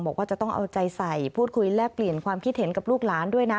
บอกว่าจะต้องเอาใจใส่พูดคุยแลกเปลี่ยนความคิดเห็นกับลูกหลานด้วยนะ